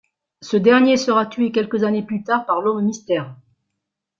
Ce dernier sera tué quelques années plus tard par l'Homme Mystère.